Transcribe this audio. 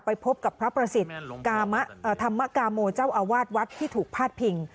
พบกับพระประสิทธิ์ธรรมกาโมเจ้าอาวาสวัดที่ถูกพาดพิง